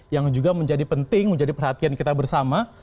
yang juga menjadi penting menjadi perhatian kita bersama